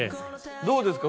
どうですか？